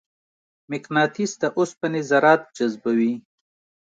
مقناطیس د اوسپنې ذرات جذبوي.